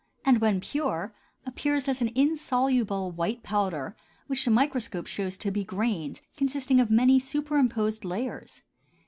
and when pure appears as an insoluble white powder which the microscope shows to be grains consisting of many superimposed layers.